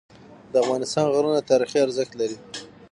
د افغانستان غرونه تاریخي ارزښت لري.